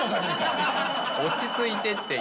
落ち着いてって。